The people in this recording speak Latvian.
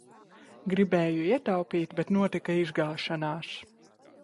Gribēju ietaupīt, bet notika izgāšanās!